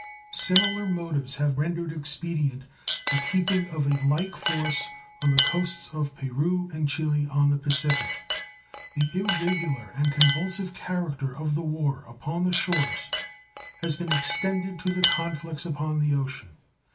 Similar motives have rendered expedient the keeping of a like force on the coasts of Peru and Chile on the Pacific. The irregular and convulsive character of the war upon the shores has been extended to the conflicts upon the ocean.